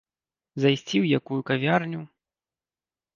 Зайсці ў якую кавярню.